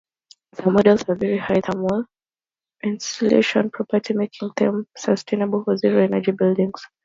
Some models have very high thermal insulation properties, making them suitable for zero-energy buildings.